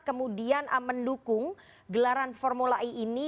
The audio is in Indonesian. kemudian mendukung gelaran formula e ini